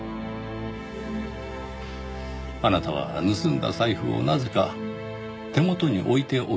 あなたは盗んだ財布をなぜか手元に置いておきました。